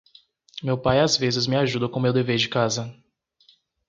Meu pai às vezes me ajuda com meu dever de casa.